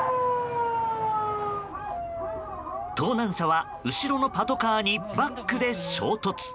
盗難車は後ろのパトカーにバックで衝突。